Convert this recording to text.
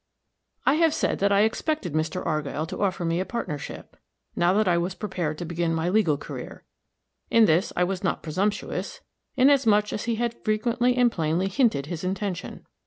I have said that I expected Mr. Argyll to offer me a partnership, now that I was prepared to begin my legal career. In this I was not presumptuous, inasmuch as he had frequently and plainly hinted his intention.